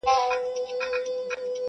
فکر اوچت غواړمه قد خم راکه.